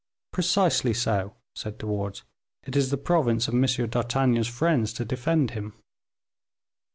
"Precisely so," said De Wardes; "it is the province of M. d'Artagnan's friends to defend him."